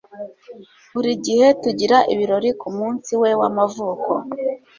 Buri gihe tugira ibirori kumunsi we w'amavuko.